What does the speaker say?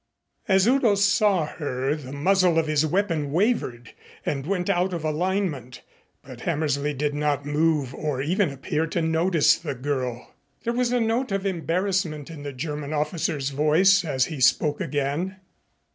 As Udo saw her the muzzle of his weapon wavered and went out of alignment, but Hammersley did not move or even appear to notice the girl. There was a note of embarrassment in the German's officer's voice as he spoke again.